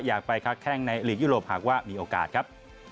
อยากไปค้าแข้งในหลีกยุโรปหากว่ามีโอกาสครับ